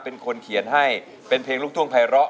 เป็นคนเขียนให้เป็นเพลงลุกท่วงภายละ